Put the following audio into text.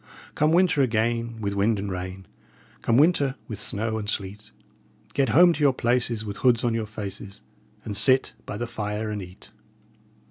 Come winter again, with wind and rain Come winter, with snow and sleet, Get home to your places, with hoods on your faces, And sit by the fire and eat."